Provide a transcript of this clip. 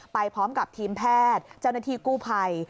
ไปพร้อมกับทีมแพทย์เจ้าหน้าที่กู้ภัย